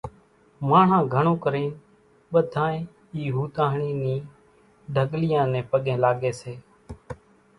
ماڻۿان گھڻو ڪرين ٻڌانئين اِي ھوتاۿڻي ني ڍڳليان نين پڳين لاڳي سي